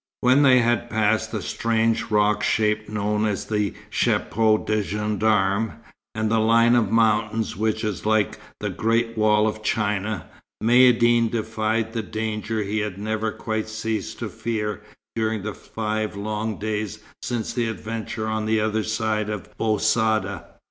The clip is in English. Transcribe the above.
When they had passed the strange rock shape known as the Chapeau de Gendarme, and the line of mountains which is like the great wall of China, Maïeddine defied the danger he had never quite ceased to fear during the five long days since the adventure on the other side of Bou Saada.